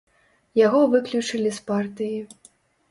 Яго выключылі з партыі.